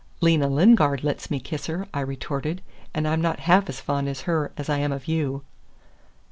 "Lena Lingard lets me kiss her," I retorted, "and I'm not half as fond of her as I am of you."